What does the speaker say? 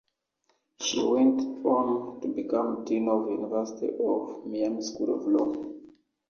She went on to become dean of University of Miami School of Law.